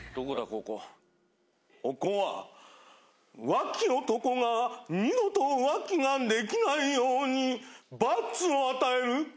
ここは浮気男が二度と浮気ができないように罰を与える空間です。